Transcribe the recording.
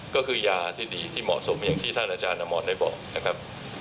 ก็คือยาที่ดีที่เหมาะสมอย่างที่ท่านอาจารย์อมรได้บอกนะครับ